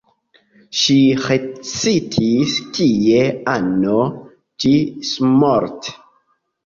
Ŝi restis tie ano ĝismorte.